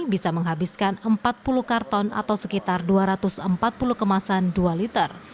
bisa menghabiskan empat puluh karton atau sekitar dua ratus empat puluh kemasan dua liter